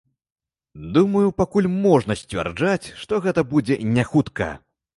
Думаю, пакуль можна сцвярджаць, што гэта будзе не хутка.